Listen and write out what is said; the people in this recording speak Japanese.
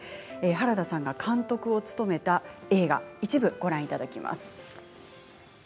原田さんが監督を務めた映画一部ご覧いただきます。